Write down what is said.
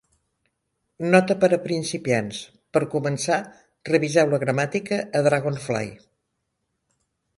Nota per a principiants: per començar, reviseu la gramàtica a Dragonfly.